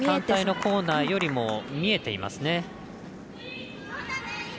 反対のコーナーよりも見えていますね。